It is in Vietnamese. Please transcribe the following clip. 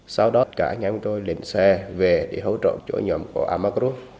sau đó cả anh em của tôi lên xe về để hỗ trợ chỗ nhóm của amagru